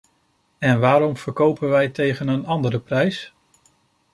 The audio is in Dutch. En waarom verkopen wij tegen een andere prijs?